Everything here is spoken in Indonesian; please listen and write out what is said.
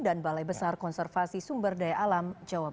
dan balai besar konservasi sumber daya alam jawa barat